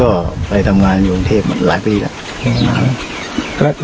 ก็ไปทำงานอยู่กรุงเทพมาหลายปีแล้ว